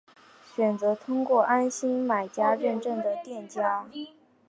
选择通过安心卖家认证的店家